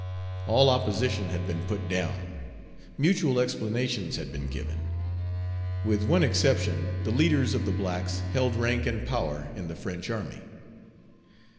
All opposition had been put down. Mutual explanations had been given. With one exception, the leaders of the blacks held rank and power in the French army.